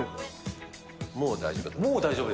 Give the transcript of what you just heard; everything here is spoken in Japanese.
もう、大丈夫。